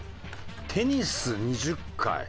テニス２０回。